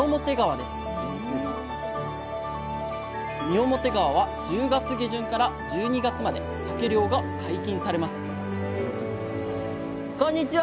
三面川は１０月下旬から１２月までさけ漁が解禁されますこんにちは。